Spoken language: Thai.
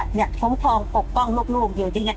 สงสัยเสด็จพ่อคุ้มครองปกป้องลูกอยู่ดี